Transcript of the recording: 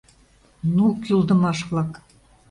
— Ну, кӱлдымаш-влак!